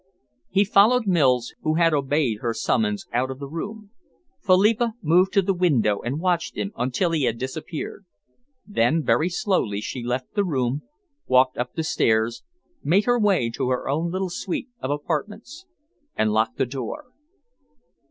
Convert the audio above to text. He followed Mills, who had obeyed her summons, out of the room. Philippa moved to the window and watched him until he had disappeared. Then very slowly she left the room, walked up the stairs, made her way to her own little suite of apartments, and locked the door.